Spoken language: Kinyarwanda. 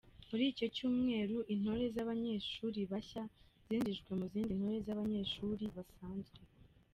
Muri icyo cyumweru, intore z’abanyeshuri bashya zinjijwe mu zindi ntore z’abanyeshuri basanzwe .